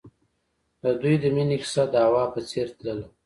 د دوی د مینې کیسه د هوا په څېر تلله.